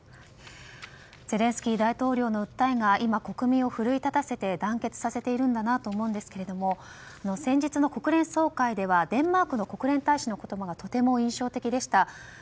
ゼレンスキー大統領の訴えが今、国民を奮い立たせて団結させているんだなと思いますが先日の国連総会ではデンマークの国連大使の言葉がとても印象的でした。